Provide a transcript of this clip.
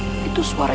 apa ada orang disini